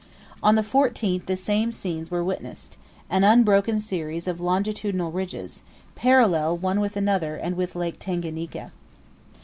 On the 14th the same scenes were witnessed an unbroken series of longitudinal ridges, parallel one with another and with Lake Tanganika.